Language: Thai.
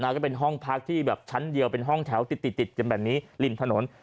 ก็เป็นห้องพักที่แบบชั้นเดียวเป็นห้องแถวติดกันแบบนี้ริมถนน